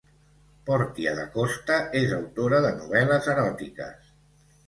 Portia da Costa és autora de novel·les eròtiques